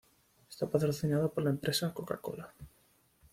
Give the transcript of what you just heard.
Está patrocinada por la empresa Coca-Cola.